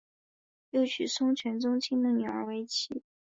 又娶孙权宗族的女儿为妻。